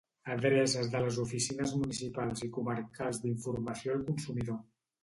Adreces de les Oficines Municipals i Comarcals d'Informació al Consumidor.